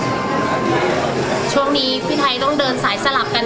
ช่วงนี้พี่ไทยต้องเดินสายสลับกัน